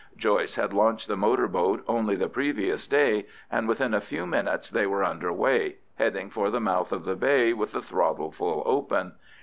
Joyce had launched the motor boat only the previous day, and within a few minutes they were under way, heading for the mouth of the bay with the throttle full open.